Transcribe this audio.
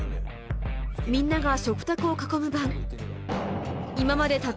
みんなが食卓を囲む